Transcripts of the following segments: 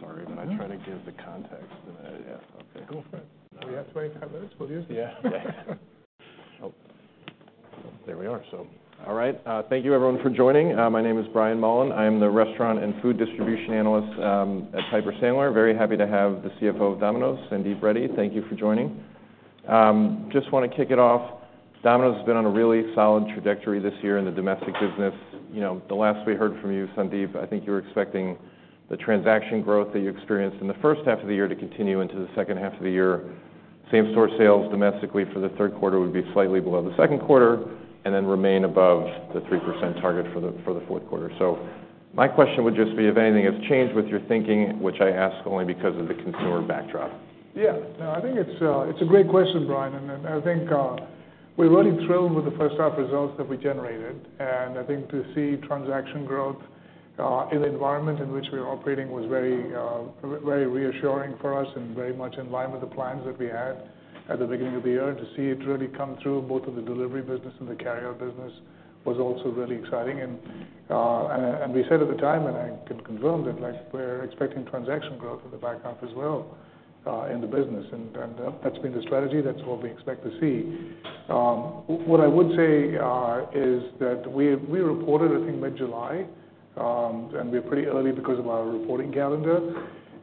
So if I'm a little long-winded, I'm sorry, but I try to give the context, and yeah. Okay, cool. We have 25 minutes. We'll use it. Yeah. Oh, there we are. So, all right, thank you everyone for joining. My name is Brian Mullan. I am the restaurant and food distribution analyst at Piper Sandler. Very happy to have the CFO of Domino's, Sandeep Reddy. Thank you for joining. Just wanna kick it off. Domino's has been on a really solid trajectory this year in the domestic business. You know, the last we heard from you, Sandeep, I think you were expecting the transaction growth that you experienced in the first half of the year to continue into the second half of the year. Same store sales domestically for the third quarter would be slightly below the second quarter, and then remain above the 3% target for the fourth quarter. My question would just be, if anything has changed with your thinking, which I ask only because of the consumer backdrop? Yeah. No, I think it's a great question, Brian, and I think we're really thrilled with the first half results that we generated. I think to see transaction growth in the environment in which we are operating was very reassuring for us and very much in line with the plans that we had at the beginning of the year. To see it really come through, both in the delivery business and the carryout business, was also really exciting. We said at the time, and I can confirm that, like, we're expecting transaction growth in the back half as well in the business. That's been the strategy. That's what we expect to see. What I would say is that we reported, I think, mid-July, and we're pretty early because of our reporting calendar.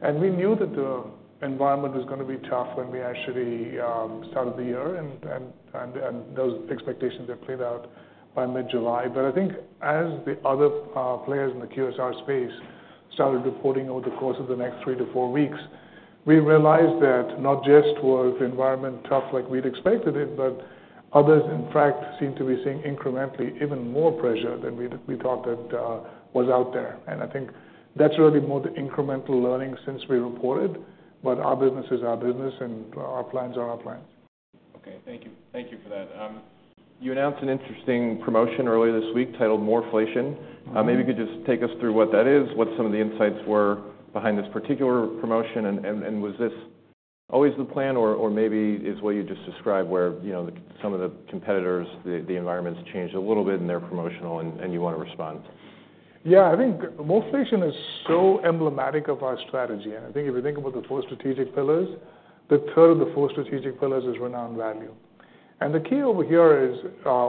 And we knew that the environment was gonna be tough when we actually started the year, and those expectations are played out by mid-July. But I think as the other players in the QSR space started reporting over the course of the next three to four weeks, we realized that not just was the environment tough like we'd expected it, but others, in fact, seemed to be seeing incrementally even more pressure than we thought that was out there. And I think that's really more the incremental learning since we reported, but our business is our business, and our plans are our plans. Okay, thank you. Thank you for that. You announced an interesting promotion earlier this week titled MOREflation. Mm-hmm. Maybe you could just take us through what that is, what some of the insights were behind this particular promotion, and was this always the plan, or maybe it's what you just described, where, you know, some of the competitors, the environment's changed a little bit in their promotional and you want to respond? Yeah, I think MOREflation is so emblematic of our strategy, and I think if you think about the four strategic pillars, the third of the four strategic pillars is Renowned Value. And the key over here is,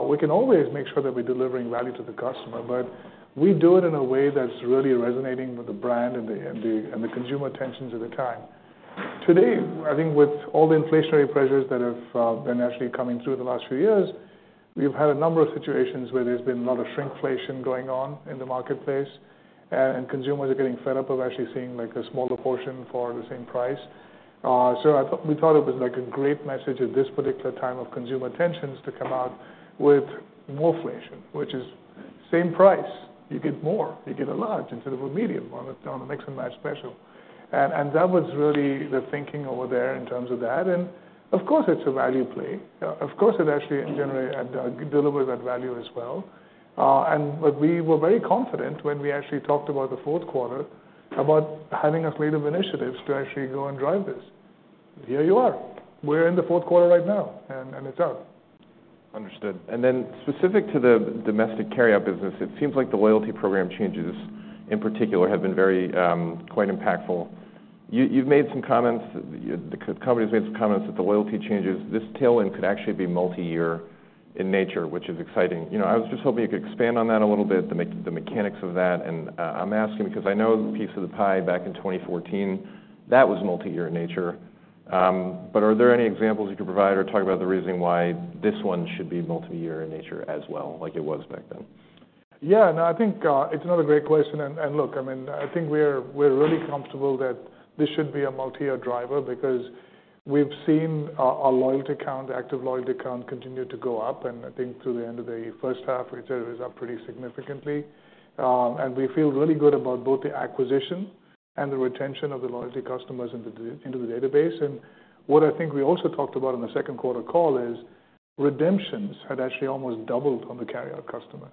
we can always make sure that we're delivering value to the customer, but we do it in a way that's really resonating with the brand and the consumer tensions of the time. Today, I think with all the inflationary pressures that have been actually coming through the last few years, we've had a number of situations where there's been a lot of shrinkflation going on in the marketplace, and consumers are getting fed up of actually seeing, like, a smaller portion for the same price. So I thought, we thought it was, like, a great message at this particular time of consumer tensions to come out with MOREflation, which is same price. You get more. You get a large instead of a medium on a Mix & Match special. And that was really the thinking over there in terms of that. And of course, it's a value play. Of course, it actually, in general, delivers that value as well. And but we were very confident when we actually talked about the fourth quarter, about having a slate of initiatives to actually go and drive this. Here you are. We're in the fourth quarter right now, and it's out. Understood. And then specific to the domestic carryout business, it seems like the loyalty program changes, in particular, have been very, quite impactful. You've made some comments, the company's made some comments that the loyalty changes, this tailwind could actually be multi-year in nature, which is exciting. You know, I was just hoping you could expand on that a little bit, the mechanics of that. And I'm asking because I know the Piece of the Pie back in twenty fourteen, that was multi-year in nature. But are there any examples you could provide or talk about the reasoning why this one should be multi-year in nature as well, like it was back then? Yeah, no, I think, it's another great question. And, and look, I mean, I think we're, we're really comfortable that this should be a multi-year driver because we've seen our, our loyalty account, active loyalty account continue to go up, and I think through the end of the first half, it was up pretty significantly. And we feel really good about both the acquisition and the retention of the loyalty customers into the, into the database. And what I think we also talked about on the second quarter call is, redemptions had actually almost doubled on the carryout customer.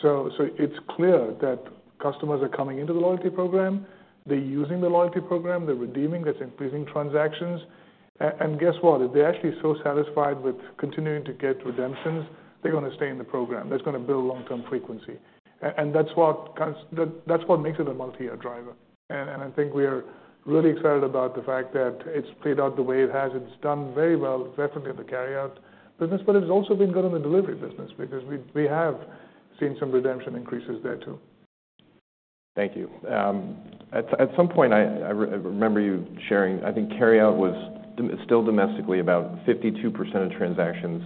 So, so it's clear that customers are coming into the loyalty program, they're using the loyalty program, they're redeeming, that's increasing transactions. And guess what? If they're actually so satisfied with continuing to get redemptions, they're gonna stay in the program. That's gonna build long-term frequency. That's what makes it a multi-year driver. I think we are really excited about the fact that it's played out the way it has. It's done very well, definitely in the carryout business, but it has also been good in the delivery business because we have seen some redemption increases there, too. Thank you. At some point, I remember you sharing, I think carryout was still domestically about 52% of transactions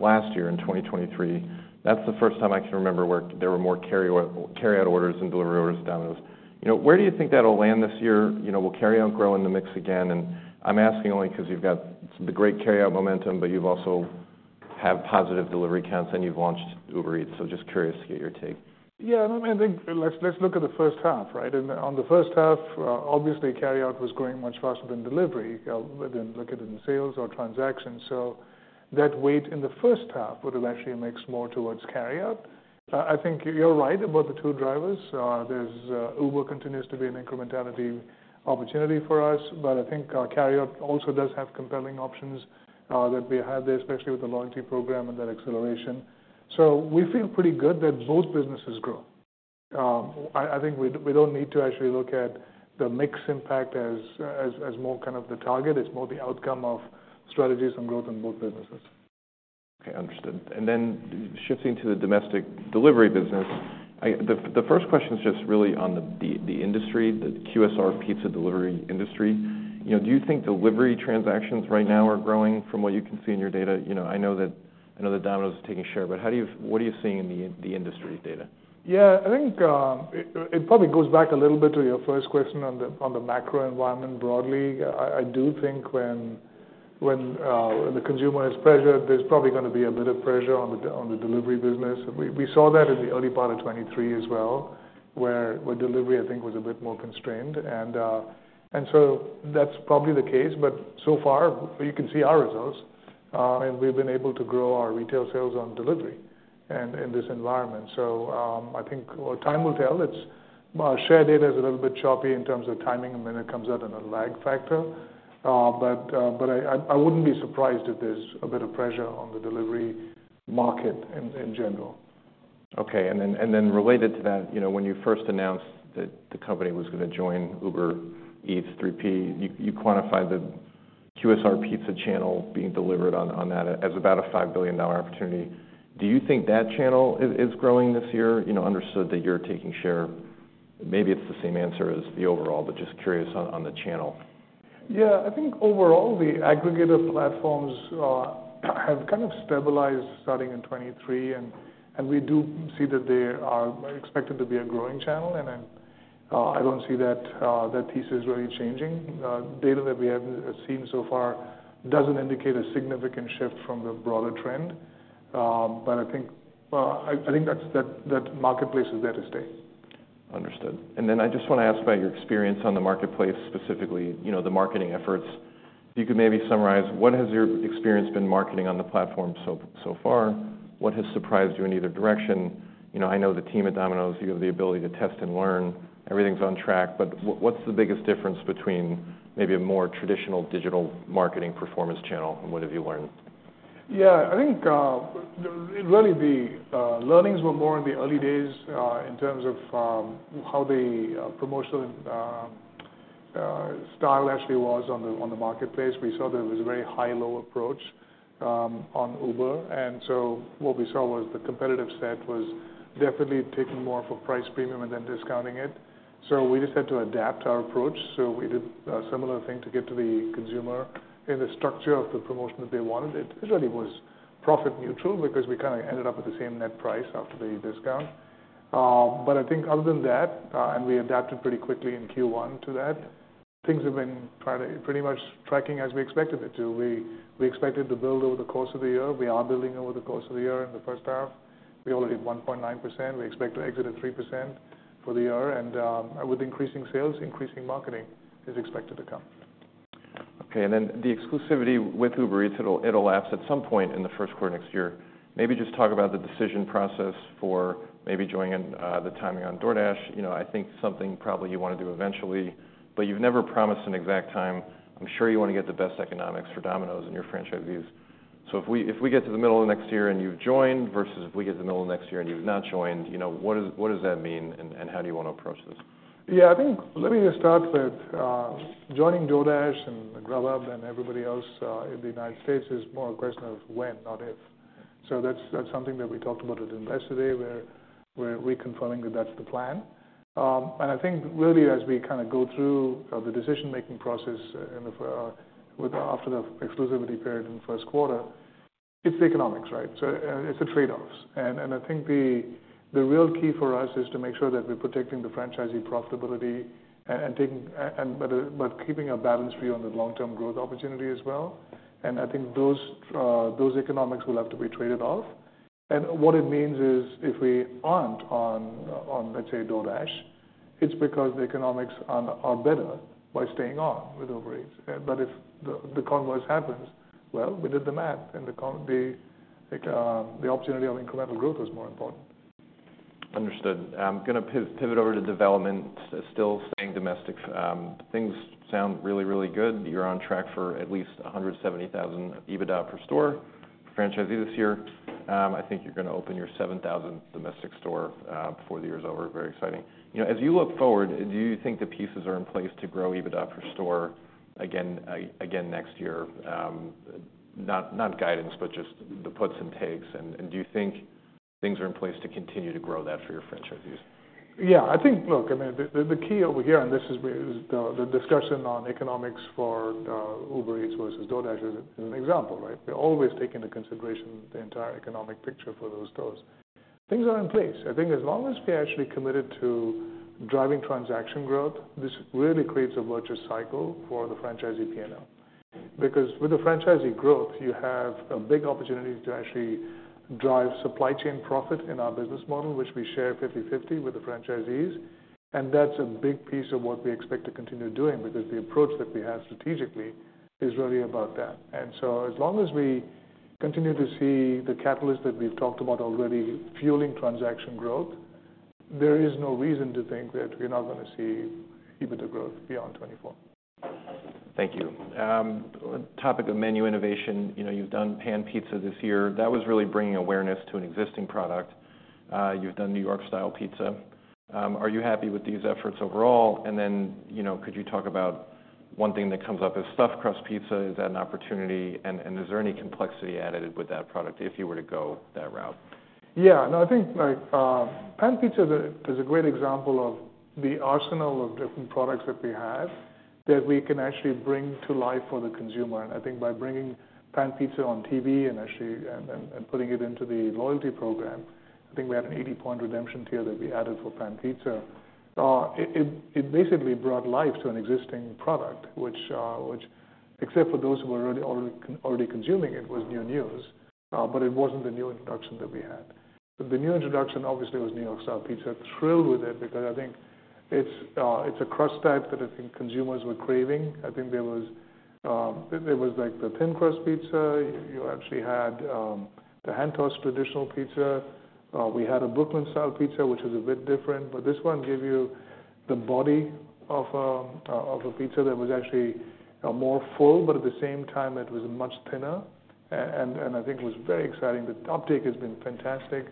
last year in 2023. That's the first time I can remember where there were more carryout orders than delivery orders at Domino's. You know, where do you think that'll land this year? You know, will carryout grow in the mix again? And I'm asking only because you've got the great carryout momentum, but you've also have positive delivery counts, and you've launched Uber Eats. So just curious to get your take. Yeah, no, I think let's look at the first half, right? And on the first half, obviously, carryout was growing much faster than delivery, within. Look at it in sales or transactions. So that weight in the first half would have actually mixed more towards carryout. I think you're right about the two drivers. There's, Uber continues to be an incrementality opportunity for us, but I think carryout also does have compelling options that we had there, especially with the loyalty program and that acceleration. So we feel pretty good that both businesses grow. I think we don't need to actually look at the mix impact as more kind of the target. It's more the outcome of strategies and growth in both businesses. Okay, understood. And then shifting to the domestic delivery business, the first question is just really on the industry, the QSR pizza delivery industry. You know, do you think delivery transactions right now are growing from what you can see in your data? You know, I know that Domino's is taking a share, but how do you—what are you seeing in the industry data? Yeah, I think it probably goes back a little bit to your first question on the macro environment broadly. I do think when the consumer is pressured, there's probably gonna be a bit of pressure on the delivery business. We saw that in the early part of 2023 as well, where delivery, I think, was a bit more constrained. And so that's probably the case, but so far, you can see our results, and we've been able to grow our retail sales on delivery in this environment. So, I think, well, time will tell. It's share data is a little bit choppy in terms of timing, and then it comes out in a lag factor. But I wouldn't be surprised if there's a bit of pressure on the delivery market in general. Okay. And then related to that, you know, when you first announced that the company was gonna join Uber Eats 3P, you quantified the QSR pizza channel being delivered on that as about a $5 billion opportunity. Do you think that channel is growing this year? You know, understood that you're taking share. Maybe it's the same answer as the overall, but just curious on the channel. Yeah. I think overall, the aggregator platforms have kind of stabilized starting in 2023, and we do see that they are expected to be a growing channel, and then I don't see that piece is really changing. Data that we have seen so far doesn't indicate a significant shift from the broader trend, but I think that marketplace is there to stay. Understood. And then I just wanna ask about your experience on the marketplace, specifically, you know, the marketing efforts. If you could maybe summarize, what has your experience been marketing on the platform so far? What has surprised you in either direction? You know, I know the team at Domino's. You have the ability to test and learn. Everything's on track, but what's the biggest difference between maybe a more traditional digital marketing performance channel, and what have you learned? Yeah, I think really the learnings were more in the early days in terms of how the promotional style actually was on the marketplace. We saw that it was a very high, low approach on Uber. And so what we saw was the competitive set was definitely taking more of a price premium and then discounting it. So we just had to adapt our approach. So we did a similar thing to get to the consumer in the structure of the promotion that they wanted. It really was profit neutral because we kind of ended up with the same net price after the discount. But I think other than that and we adapted pretty quickly in Q1 to that, things have been pretty much tracking as we expected it to. We expected to build over the course of the year. We are building over the course of the year. In the first half, we only hit 1.9%. We expect to exit at 3% for the year, and with increasing sales, increasing marketing is expected to come. Okay. And then the exclusivity with Uber Eats, it'll lapse at some point in the first quarter next year. Maybe just talk about the decision process for maybe joining in, the timing on DoorDash. You know, I think something probably you wanna do eventually, but you've never promised an exact time. I'm sure you wanna get the best economics for Domino's and your franchisees. So if we get to the middle of next year and you've joined, versus if we get to the middle of next year and you've not joined, you know, what does that mean and how do you wanna approach this? Yeah, I think, let me just start with, joining DoorDash and Grubhub and everybody else, in the United States is more a question of when, not if. So that's something that we talked about at Investor Day, where we're reconfirming that that's the plan. And I think really, as we kind of go through, the decision-making process and after the exclusivity period in the first quarter, it's the economics, right? So, it's the trade-offs. And I think the real key for us is to make sure that we're protecting the franchisee profitability and taking... but keeping a balanced view on the long-term growth opportunity as well. And I think those economics will have to be traded off. And what it means is, if we aren't on, let's say, DoorDash, it's because the economics are better by staying on with Uber Eats. But if the converse happens, well, we did the math, and the opportunity of incremental growth was more important. Understood. I'm gonna pivot over to development, still staying domestic. Things sound really, really good. You're on track for at least one hundred and seventy thousand EBITDA per store franchisee this year. I think you're gonna open your seven thousandth domestic store before the year is over. Very exciting. You know, as you look forward, do you think the pieces are in place to grow EBITDA per store again next year? Not guidance, but just the puts and takes. And do you think things are in place to continue to grow that for your franchisees? Yeah, I think. Look, I mean, the key over here, and this is where the discussion on economics for Uber Eats versus DoorDash is an example, right? We always take into consideration the entire economic picture for those stores. Things are in place. I think as long as we're actually committed to driving transaction growth, this really creates a virtuous cycle for the franchisee P&L. Because with the franchisee growth, you have a big opportunity to actually drive supply chain profit in our business model, which we share fifty-fifty with the franchisees, and that's a big piece of what we expect to continue doing, because the approach that we have strategically is really about that. As long as we continue to see the catalyst that we've talked about already fueling transaction growth, there is no reason to think that we're not gonna see EBITDA growth beyond 2024. Thank you. Topic of menu innovation. You know, you've done pan pizza this year. That was really bringing awareness to an existing New York Style Pizza. Are you happy with these efforts overall? And then, you know, could you talk about one thing that comes up is stuffed crust pizza. Is that an opportunity, and is there any complexity added with that product if you were to go that route? Yeah. No, I think, like, Pan Pizza is a great example of the arsenal of different products that we have, that we can actually bring to life for the consumer. And I think by bringing Pan Pizza on TV and actually putting it into the loyalty program, I think we had a 80-point redemption tier that we added for Pan Pizza. It basically brought life to an existing product, which, except for those who are already consuming it, was new news, but it wasn't the new introduction that we had. But the new New York Style Pizza. Thrilled with it, because I think it's a crust type that I think consumers were craving. I think there was, like, the thin crust pizza. You actually had the hand-tossed traditional pizza. We had a Brooklyn Style Pizza, which was a bit different, but this one gave you the body of a pizza that was actually more full, but at the same time, it was much thinner. And I think it was very exciting. The uptake has been fantastic,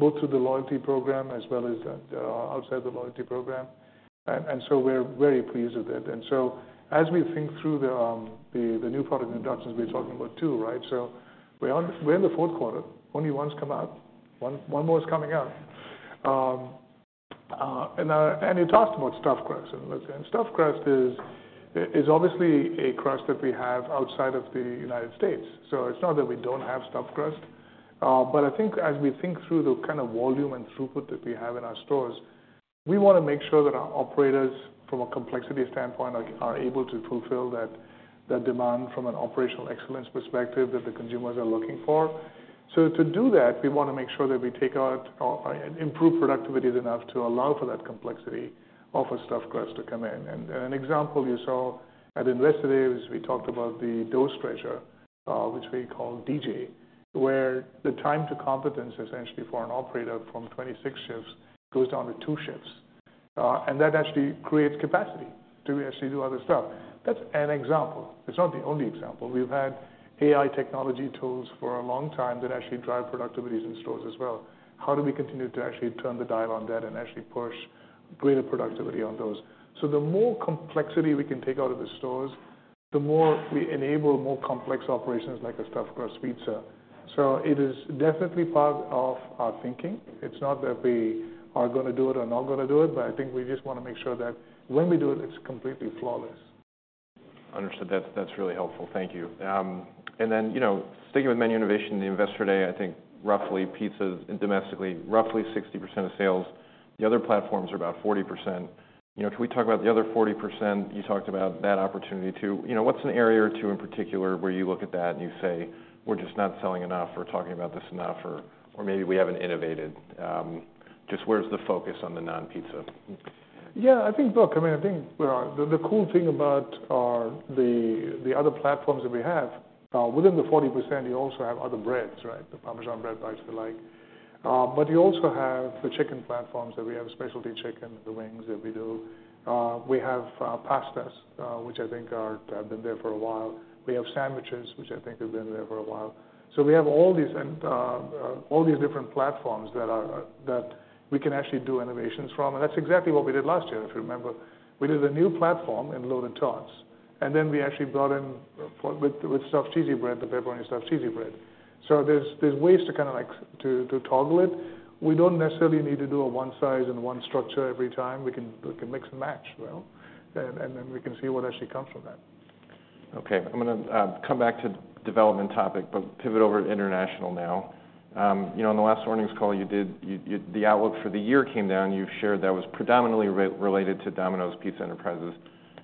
both through the loyalty program as well as outside the loyalty program. And so we're very pleased with it. And so as we think through the new product introductions, we're talking about two, right? So we're in the fourth quarter. Only one's come out. One more is coming out. And you talked about stuffed crust. Stuffed crust is obviously a crust that we have outside of the United States, so it's not that we don't have stuffed crust. I think as we think through the kind of volume and throughput that we have in our stores, we wanna make sure that our operators, from a complexity standpoint, are able to fulfill that demand from an operational excellence perspective that the consumers are looking for. So to do that, we wanna make sure that we improve productivity enough to allow for that complexity of a stuffed crust to come in. An example you saw at Investor Day was we talked about the dough stretcher, which we call DJ, where the time to competence, essentially, for an operator from 26 shifts goes down to 2 shifts. And that actually creates capacity to actually do other stuff. That's an example. It's not the only example. We've had AI technology tools for a long time that actually drive productivities in stores as well. How do we continue to actually turn the dial on that and actually push greater productivity on those? So the more complexity we can take out of the stores, the more we enable more complex operations like a stuffed crust pizza. So it is definitely part of our thinking. It's not that we are gonna do it or not gonna do it, but I think we just wanna make sure that when we do it, it's completely flawless. Understood. That's, that's really helpful. Thank you, and then, you know, sticking with menu innovation, the Investor Day, I think roughly pizza, domestically, roughly 60% of sales. The other platforms are about 40%. You know, can we talk about the other 40%? You talked about that opportunity, too. You know, what's an area or two in particular where you look at that and you say, "We're just not selling enough or talking about this enough, or, or maybe we haven't innovated." Just where's the focus on the non-pizza? Yeah, I think, look, I mean, I think, the cool thing about our other platforms that we have within the 40%, you also have other breads, right? The Parmesan Bread Bites, the like. But you also have the chicken platforms that we have, Specialty Chicken, the wings that we do. We have pastas, which I think have been there for a while. We have sandwiches, which I think have been there for a while. So we have all these, and all these different platforms that we can actually do innovations from, and that's exactly what we did last year, if you remember. We did a new platform in Loaded Tots, and then we actually brought in with Stuffed Cheesy Bread, the Pepperoni Stuffed Cheesy Bread. So there's ways to kind of, like, to toggle it. We don't necessarily need to do a one size and one structure every time. We can mix and match well, and then we can see what actually comes from that. Okay, I'm gonna come back to development topic, but pivot over to international now. You know, in the last earnings call you did, the outlook for the year came down. You've shared that was predominantly related to Domino's Pizza Enterprises.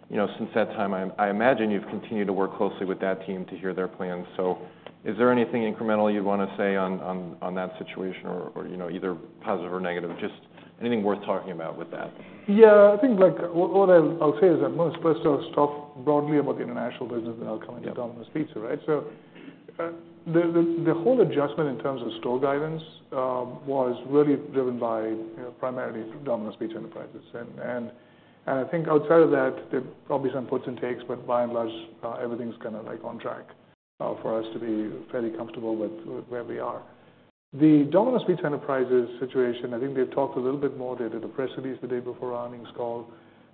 You know, since that time, I imagine you've continued to work closely with that team to hear their plans. So is there anything incremental you'd want to say on that situation, or you know, either positive or negative? Just anything worth talking about with that? Yeah, I think, like, what I'll say is that most-- first, I'll just talk broadly about the international business and then I'll come into Domino's Pizza, right? So, the whole adjustment in terms of store guidance was really driven by, you know, primarily Domino's Pizza Enterprises. I think outside of that, there are obviously some puts and takes, but by and large, everything's kind of, like, on track for us to be fairly comfortable with where we are. The Domino's Pizza Enterprises situation, I think they've talked a little bit more. They did a press release the day before our earnings call,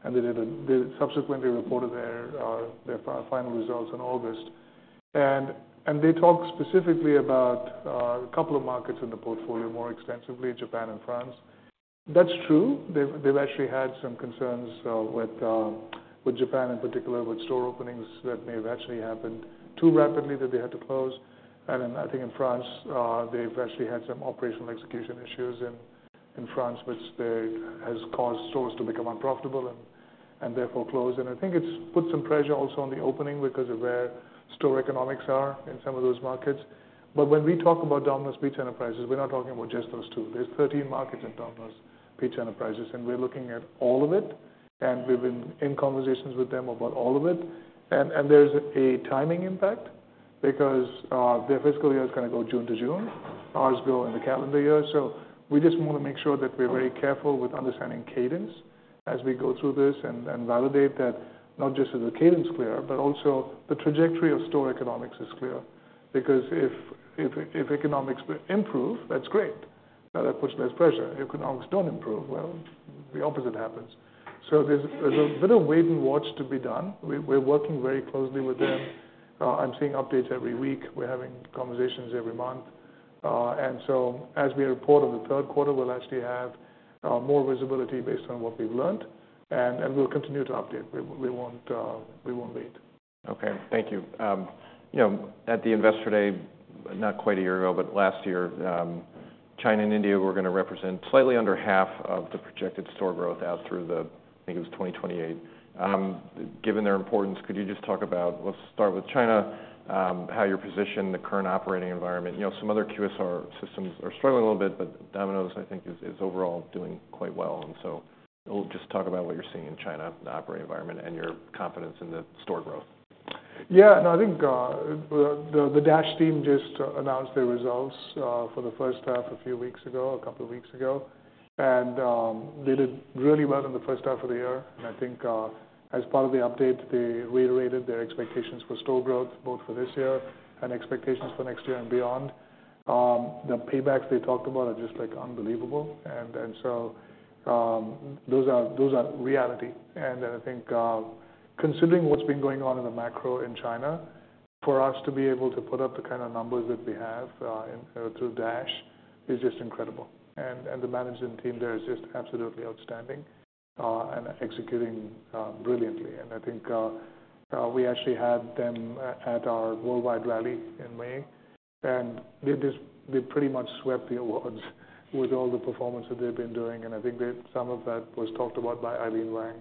and they subsequently reported their final results in August. They talked specifically about a couple of markets in the portfolio more extensively, Japan and France. That's true. They've actually had some concerns with, with Japan in particular, with store openings that may have actually happened too rapidly that they had to close. And then I think in France, they've actually had some operational execution issues in, in France, which they... has caused stores to become unprofitable and, and therefore close. And I think it's put some pressure also on the opening because of where store economics are in some of those markets. But when we talk about Domino's Pizza Enterprises, we're not talking about just those two. There's thirteen markets in Domino's Pizza Enterprises, and we're looking at all of it, and we've been in conversations with them about all of it. And, and there's a timing impact because their fiscal year is gonna go June to June, ours go in the calendar year. So we just want to make sure that we're very careful with understanding cadence as we go through this and validate that not just is the cadence clear, but also the trajectory of store economics is clear. Because if economics improve, that's great, but that puts less pressure. If economics don't improve, well, the opposite happens. So there's a bit of wait and watch to be done. We're working very closely with them. I'm seeing updates every week. We're having conversations every month. And so as we report on the third quarter, we'll actually have more visibility based on what we've learned, and we'll continue to update. We won't wait. Okay, thank you. You know, at the Investor Day, not quite a year ago, but last year, China and India were gonna represent slightly under half of the projected store growth out through the, I think it was 2028. Given their importance, could you just talk about, let's start with China, how you're positioned in the current operating environment? You know, some other QSR systems are struggling a little bit, but Domino's, I think, is overall doing quite well. So we'll just talk about what you're seeing in China, the operating environment, and your confidence in the store growth. Yeah, no, I think, the Dash team just announced their results, for the first half a few weeks ago, a couple of weeks ago. And they did really well in the first half of the year. And I think, as part of the update, they reiterated their expectations for store growth, both for this year and expectations for next year and beyond. The paybacks they talked about are just, like, unbelievable. And so those are reality. And then I think, considering what's been going on in the macro in China, for us to be able to put up the kind of numbers that we have, through Dash, is just incredible. And the management team there is just absolutely outstanding, and executing, brilliantly. And I think we actually had them at our worldwide rally in May, and they pretty much swept the awards with all the performance that they've been doing. And I think that some of that was talked about by Aileen Wang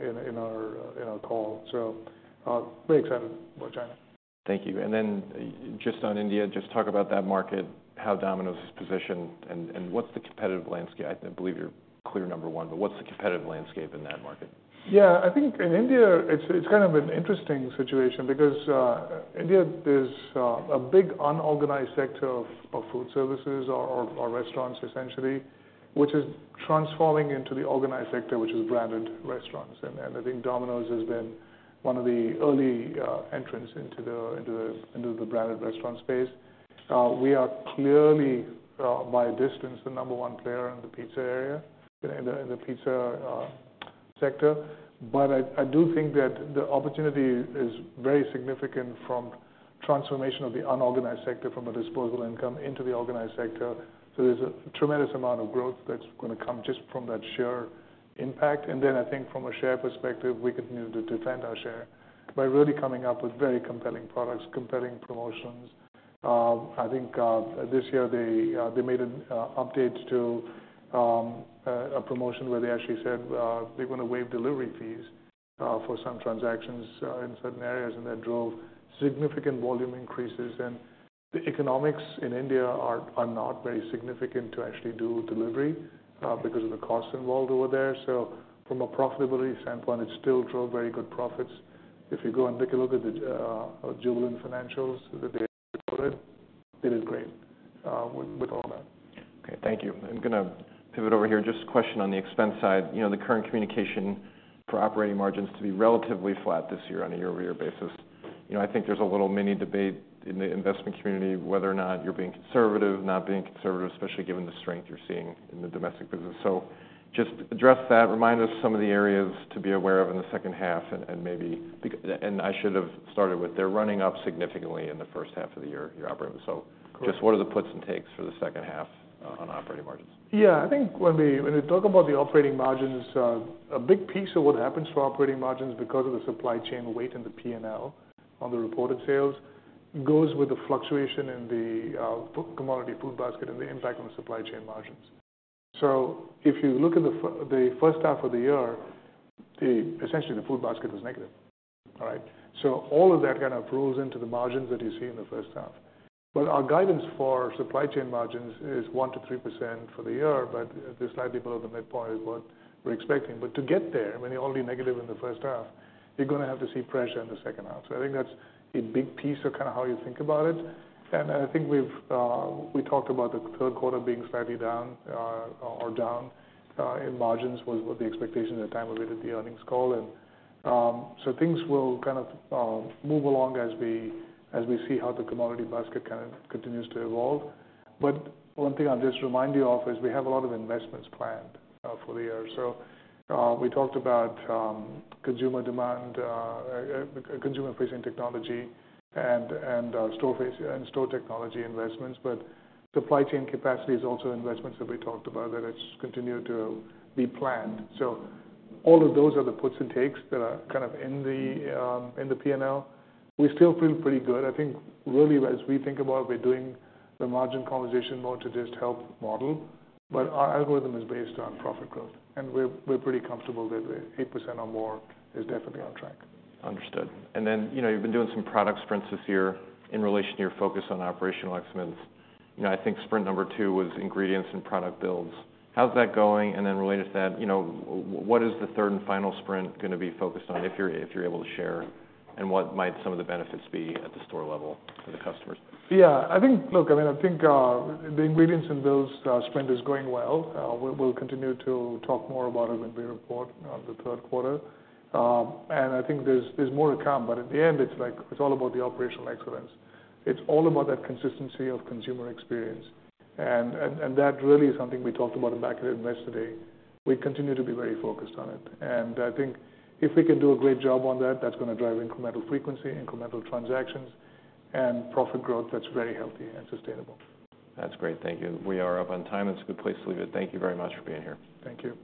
in our call. So, very excited about China. Thank you, and then just on India, just talk about that market, how Domino's is positioned, and what's the competitive landscape? I believe you're clear number one, but what's the competitive landscape in that market? Yeah, I think in India, it's kind of an interesting situation because India is a big unorganized sector of food services or restaurants, essentially, which is transforming into the organized sector, which is branded restaurants. And I think Domino's has been one of the early entrants into the branded restaurant space. We are clearly, by a distance, the number one player in the pizza area, in the pizza sector. But I do think that the opportunity is very significant from transformation of the unorganized sector, from a disposable income into the organized sector. So there's a tremendous amount of growth that's gonna come just from that sheer impact. And then I think from a share perspective, we continue to defend our share by really coming up with very compelling products, compelling promotions. I think this year they made an update to a promotion where they actually said they're gonna waive delivery fees for some transactions in certain areas, and that drove significant volume increases. And the economics in India are not very significant to actually do delivery because of the costs involved over there. So from a profitability standpoint, it still drove very good profits. If you go and take a look at the Jubilant financials that they reported, they did great with all that. Okay, thank you. I'm gonna pivot over here. Just a question on the expense side. You know, the current communication for operating margins to be relatively flat this year on a year-over-year basis. You know, I think there's a little mini debate in the investment community, whether or not you're being conservative, not being conservative, especially given the strength you're seeing in the domestic business. So just address that, remind us some of the areas to be aware of in the second half, and maybe and I should have started with, they're running up significantly in the first half of the year, your operating. Correct. Just what are the puts and takes for the second half on operating margins? Yeah, I think when we talk about the operating margins, a big piece of what happens to our operating margins because of the supply chain weight in the PNL on the reported sales, goes with the fluctuation in the commodity food basket and the impact on the supply chain margins. So if you look at the first half of the year, essentially, the food basket was negative. All right? So all of that kind of rolls into the margins that you see in the first half. But our guidance for supply chain margins is 1%-3% for the year, but they're slightly below the midpoint is what we're expecting. But to get there, when you're only negative in the first half, you're gonna have to see pressure in the second half. So I think that's a big piece of kinda how you think about it. And I think we've talked about the third quarter being slightly down, or down, in margins was what the expectation at the time we did the earnings call. And so things will kind of move along as we see how the commodity basket kind of continues to evolve. But one thing I'll just remind you of is we have a lot of investments planned for the year. So we talked about consumer demand, consumer-facing technology and store-facing and store technology investments, but supply chain capacity is also investments that we talked about, that it's continued to be planned. So all of those are the puts and takes that are kind of in the P&L. We still feel pretty good. I think really, as we think about we're doing the margin conversation more to just help model, but our algorithm is based on profit growth, and we're pretty comfortable that the 8% or more is definitely on track. Understood. And then, you know, you've been doing some product sprints this year in relation to your focus on operational excellence. You know, I think sprint number two was Ingredients and Product Builds. How's that going? And then related to that, you know, what is the third and final sprint gonna be focused on, if you're able to share? And what might some of the benefits be at the store level for the customers? Yeah, I think. Look, I mean, I think the ingredients and builds sprint is going well. We'll continue to talk more about it when we report the third quarter. And I think there's more to come, but at the end, it's like, it's all about the operational excellence. It's all about that consistency of consumer experience. And that really is something we talked about back at Investor Day. We continue to be very focused on it. And I think if we can do a great job on that, that's gonna drive incremental frequency, incremental transactions, and profit growth that's very healthy and sustainable. That's great. Thank you. We are up on time, and it's a good place to leave it. Thank you very much for being here. Thank you.